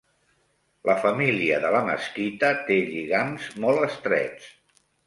La família de la mesquita té lligams molt estrets.